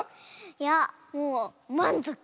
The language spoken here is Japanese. いやもうまんぞく。